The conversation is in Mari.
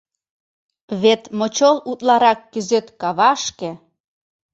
Вет мочол утларак кӱзет кавашке